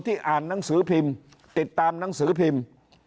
อ่านหนังสือพิมพ์ติดตามหนังสือพิมพ์